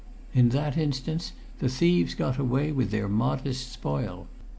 In that instance the thieves got clear away with their modest spoil.